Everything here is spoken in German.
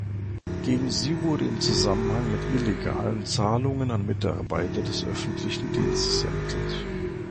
Gegen sie wurde im Zusammenhang mit illegalen Zahlungen an Mitarbeiter des öffentlichen Dienstes ermittelt.